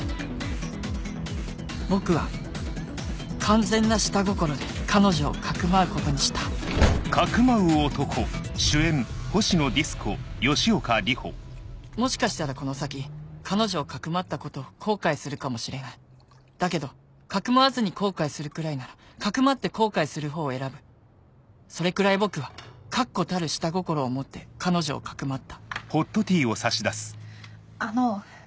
僕は完全な下心で彼女を匿うことにしたもしかしたらこの先彼女を匿ったことを後悔するかもしれないだけど匿わずに後悔するくらいなら匿って後悔するほうを選ぶそれくらい僕は確固たる下心を持って彼女を匿ったあの。